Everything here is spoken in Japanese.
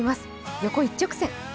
横一直線。